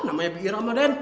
namanya bi'ira mah den